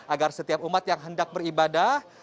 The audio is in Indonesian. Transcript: agar setiap umat yang hendak beribadah